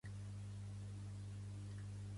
Pertany al moviment independentista la Nazaret?